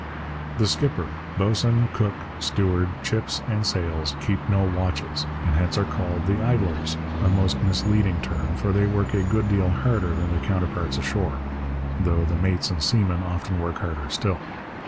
The skipper, boatswain, cook, steward, Chips, and Sails keep no watches, and hence are called 'the idlers,' a most misleading term, for they work a good deal harder than their counterparts ashore; though the mates and seamen often work harder still.